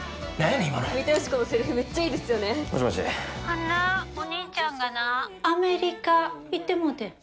あんなお兄ちゃんがなアメリカ行ってもうてん。